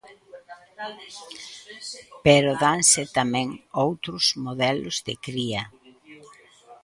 Pero danse tamén outros modelos de cría.